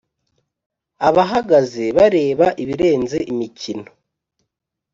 abahagaze-bareba ibirenze imikino.